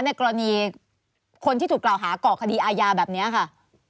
ในกรณีคนที่ถูกกล่าวหาก่อคดีอาญาแบบนี้ค่ะ